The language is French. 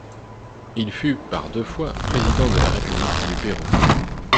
Il fut par deux fois président de la République du Pérou.